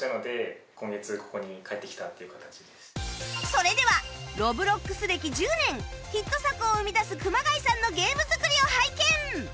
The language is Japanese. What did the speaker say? それでは Ｒｏｂｌｏｘ 歴１０年ヒット作を生み出す熊谷さんのゲーム作りを拝見